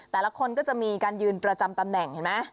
แต่ละคนก็จะมีการยืนประจำตำแหน่งเห็นไหม